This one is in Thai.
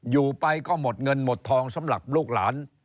อยู่ไปก็หมดเงินหมดทองสำหรับลูกหลาน